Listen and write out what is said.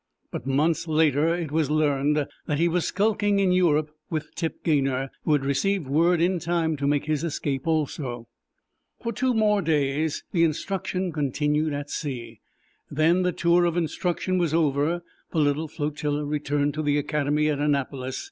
But months later it was learned that he was skulking in Europe with Tip Gaynor, who had received word in time to make his escape also. For two days more the instruction continued at sea. Then, the tour of instruction over, the little flotilla returned to the Academy at Annapolis.